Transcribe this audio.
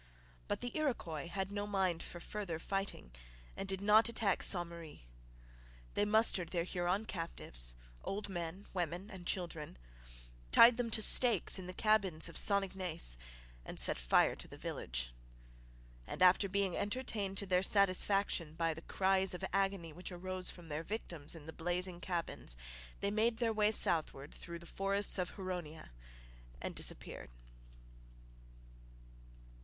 But the Iroquois had no mind for further fighting, and did not attack Ste Marie. They mustered their Huron captives old men, women, and children tied them to stakes in the cabins of St Ignace, and set fire to the village. And, after being entertained to their satisfaction by the cries of agony which arose from their victims in the blazing cabins, they made their way southward through the forests of Huronia and disappeared.